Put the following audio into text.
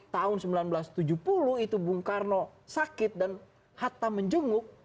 tahun seribu sembilan ratus tujuh puluh itu bung karno sakit dan hatta menjenguk